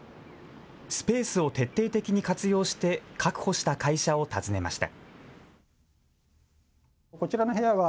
スペースを徹底的に活用して確保した会社を訪ねました。